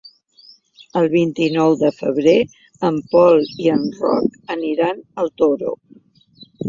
El vint-i-nou de febrer en Pol i en Roc aniran al Toro.